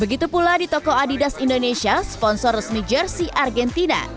begitu pula di toko adidas indonesia sponsor resmi jersey argentina